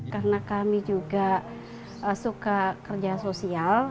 karena kami juga suka kerja sosial